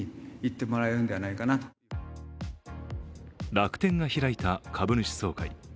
楽天が開いた株主総会。